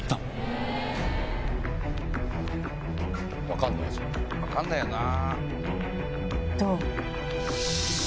分かんないよな。